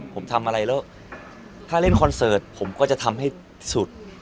ผมทำอะไรแล้วถ้าเล่นคอนเสิร์ตผมก็จะทำให้สุด